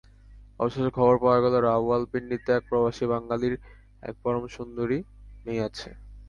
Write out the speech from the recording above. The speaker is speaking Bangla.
অবশেষে খবর পাওয়া গেল, রাওলপিণ্ডিতে এক প্রবাসী বাঙালির এক পরমাসুন্দরী মেয়ে আছে।